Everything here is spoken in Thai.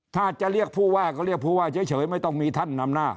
ถ้าจะเรียกผู้ว่าก็เรียกผู้ว่าเฉยไม่ต้องมีท่านนำหน้า